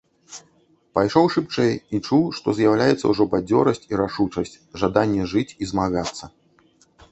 Пайшоў шыбчэй і чуў, што з'яўляецца ўжо бадзёрасць і рашучасць, жаданне жыць і змагацца.